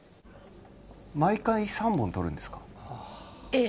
毎回３本採るんですかええ